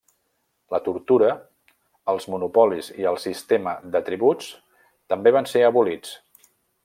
La tortura, els monopolis i el sistema de tributs també van ser abolits.